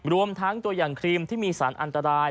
รวมทั้งตัวอย่างครีมที่มีสารอันตราย